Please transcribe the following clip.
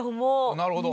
なるほど。